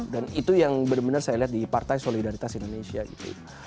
dan itu yang bener bener saya lihat di partai solidaritas indonesia gitu